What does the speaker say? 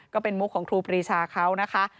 ก็เป็นมุกของครูปรีชาเขานะคะ